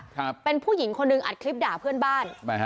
ครับเป็นผู้หญิงคนหนึ่งอัดคลิปด่าเพื่อนบ้านทำไมฮะ